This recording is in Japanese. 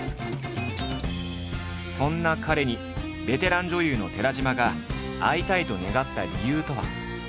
そんな彼にベテラン女優の寺島が会いたいと願った理由とは。